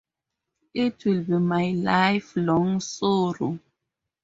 It will be my lifelong sorrow.